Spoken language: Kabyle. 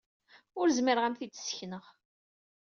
Ur zmireɣ ad m-t-id-ssekneɣ.